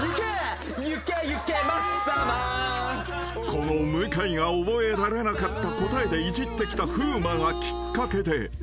［この向井が覚えられなかった答えでいじってきた風磨がきっかけで］